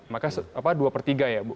maka dua per tiga ya bu